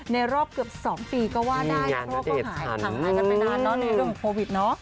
ในรอบเกือบ๒ปีก็ว่าได้พวกมันหายกันไปนานเนอะในเรื่องของโฟวิดเนอะ